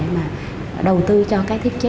mà đầu tư cho cái thiết chế